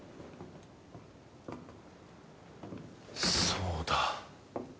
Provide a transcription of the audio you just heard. そうだ。